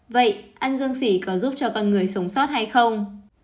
vậy ăn dương sỉ có giúp cho con người sống sót hay không